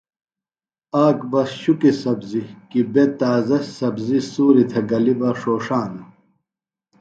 آک بہ شُکیۡ سبزی کی بےۡ تازہ سبزیۡ سُوریۡ تھےۡ گلیۡ بہ ݜوݜانہ۔